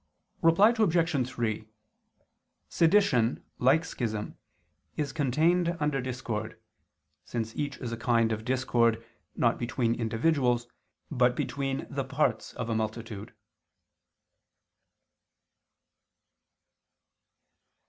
Reply Obj. 3: Sedition, like schism, is contained under discord, since each is a kind of discord, not between individuals, but between the parts of a multitude.